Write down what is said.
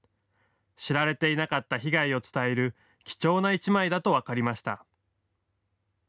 知られていなかった被害を伝える貴重な一枚だと分かりました。